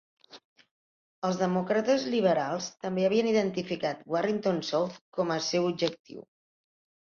Els demòcrates liberals també havien identificat Warrington South com a seu objectiu.